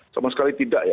sama sekali tidak ya